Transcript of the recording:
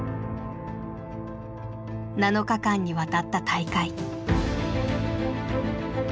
７日間にわたった大会。